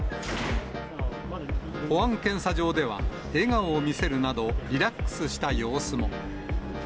保安検査場では笑顔を見せるなど、リラックスした様子も。